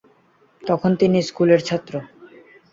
তখন তিনি স্কুলের ছাত্র।